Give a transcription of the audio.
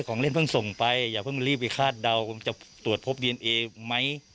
ของเล่นเพิ่งส่งไปอย่าเพิ่งรีบไปคาดเดาว่าจะตรวจพบดีเอนเอไหม